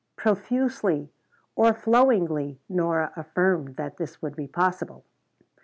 Profusely, o'erflowingly, Nora affirmed that this would be possible.